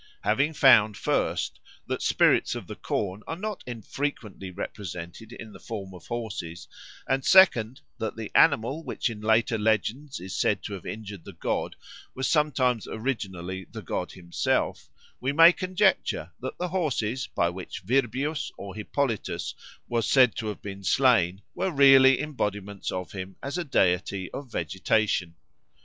Having found, first, that spirits of the corn are not infrequently represented in the form of horses; and, second, that the animal which in later legends is said to have injured the god was sometimes originally the god himself, we may conjecture that the horses by which Virbius or Hippolytus was said to have been slain were really embodiments of him as a deity of vegetation.